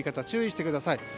注意してください。